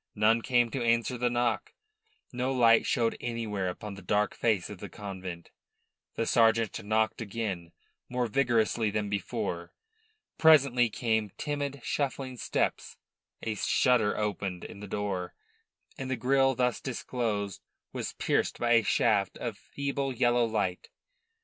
None came to answer the knock; no light showed anywhere upon the dark face of the convent. The sergeant knocked again, more vigorously than before. Presently came timid, shuffling steps; a shutter opened in the door, and the grille thus disclosed was pierced by a shaft of feeble yellow light.